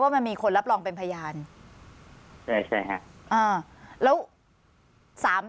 มันมีคนรับรองเป็นพยานใช่ใช่ฮะอ่าแล้วสาม